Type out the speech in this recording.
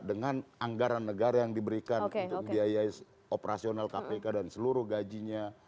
dengan anggaran negara yang diberikan untuk biaya operasional kpk dan seluruh gajinya